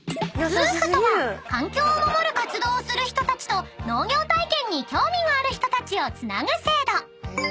［ＷＷＯＯＦとは環境を守る活動をする人たちと農業体験に興味がある人たちをつなぐ制度］